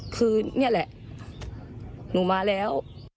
คือนี่แหละหนูมาแล้ว